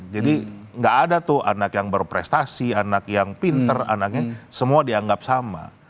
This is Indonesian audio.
jadi gak ada tuh anak yang berprestasi anak yang pinter anaknya semua dianggap sama